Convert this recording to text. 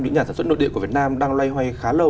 những nhà sản xuất nội địa của việt nam đang loay hoay khá lâu